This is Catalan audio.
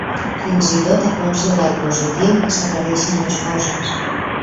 Fins i tot ha considerat positiu que s’aclareixin les coses.